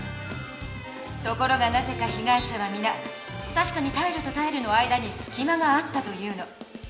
ところがなぜかひがい者はみな「たしかにタイルとタイルの間にすきまがあった」と言うの。